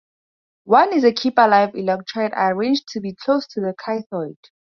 One is a keep-alive electrode, arranged to be close to the cathode.